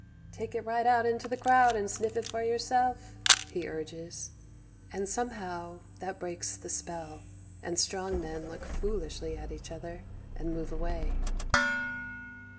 "Take it right out into the crowd and sniff it for yourself," he urges and somehow that breaks the spell, and strong men look foolishly at each other and move a way.